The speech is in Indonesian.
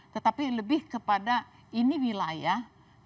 tetapi lebih kepada ini wilayah